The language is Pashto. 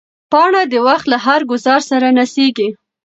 پاڼه د وخت له هر ګوزار سره نڅېږي.